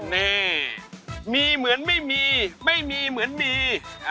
นี่มีเหมือนไม่มีไม่มีเหมือนมี